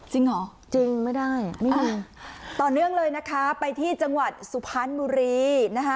จริงหรอจริงไม่ได้ต่อเนื่องเลยนะคะไปที่จังหวัดสุพันธ์มุรี